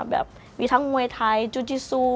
แบบมีทั้งมวยไทยจูจิซู